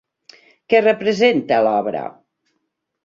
Què representa l'obra?